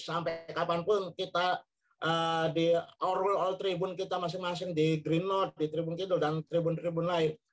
sampai kapanpun kita di ourwal old tribun kita masing masing di green note di tribun kidul dan tribun tribun lain